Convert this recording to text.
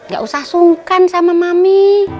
gak usah sungkan sama mami